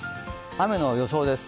雨の予想です。